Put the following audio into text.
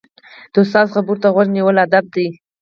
د استاد خبرو ته غوږ نیول ادب دی.